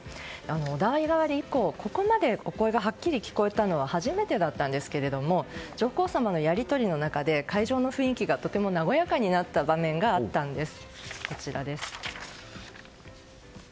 お代替わり以降、ここまでお声がはっきり聞こえたのは初めてだったんですけれども上皇さまのやり取りの中で会場の雰囲気がとても和やかになった場面があったんです。